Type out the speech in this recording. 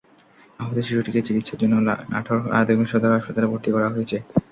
আহত শিশুটিকে চিকিৎসার জন্য নাটোর আধুনিক সদর হাসপাতালে ভর্তি করা হয়েছে।